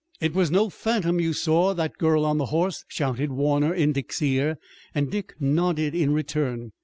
"It was no phantom you saw, that girl on the horse!" shouted Warner in Dick's ear, and Dick nodded in return.